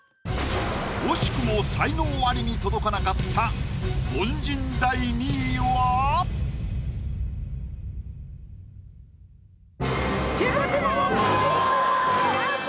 惜しくも才能アリに届かなかった菊池桃子！